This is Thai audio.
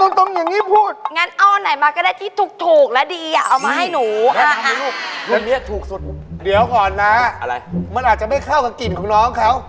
โอ้โฮแค่ทำให้ลูกลูกเนี้ยถูกสุดเดี๋ยวก่อนนะมันอาจจะไม่เข้ากับกลิ่นของน้องเขา